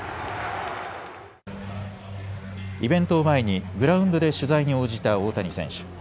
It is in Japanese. イベントを前にグラウンドで取材に応じた大谷選手。